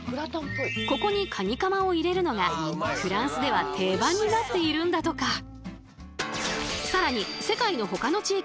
ここにカニカマを入れるのがフランスでは定番になっているんだとか。